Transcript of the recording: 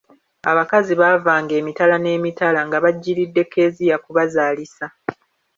Abakazi baavanga emitala n'emitala nga bajjiridde Kezia kubazaalisa.